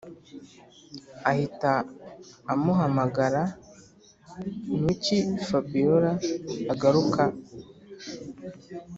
ahita amuhamagara nuki fabiora agaruka